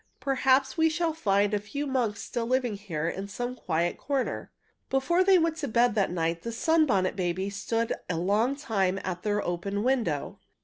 Perhaps we shall find a few monks still living here in some quiet corner." Before they went to bed that night the Sunbonnet Babies stood a long time at their open window.